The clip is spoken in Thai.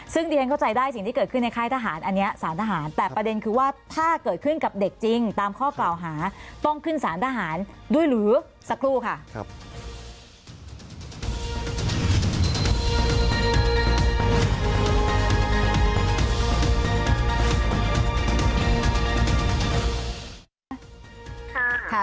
ซึ่งดิฉันเข้าใจได้สิ่งที่เกิดขึ้นในค่ายทหารอันนี้สารทหารแต่ประเด็นคือว่าถ้าเกิดขึ้นกับเด็กจริงตามข้อกล่าวหาต้องขึ้นสารทหารด้วยหรือสักครู่ค่ะ